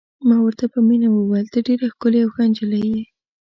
ما ورته په مینه وویل: ته ډېره ښکلې او ښه نجلۍ یې.